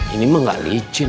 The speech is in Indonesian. ini mah gak licin